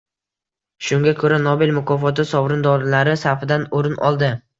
Shunga ko‘ra, Nobel mukofoti sovrindorlari safidan o‘rin oldi